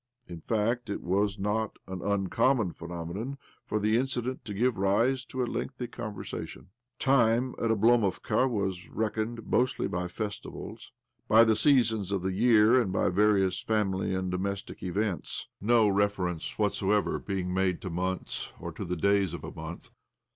In fact, it was not an uncommon phenomenon for the incident to give rise to a lengthy conversation. Time, at Oblomovka, was reckoned mostly by festivals, by. the seasons of the year, and by various family and domestic events— no reference whatsoever being made to months or to the days of a month.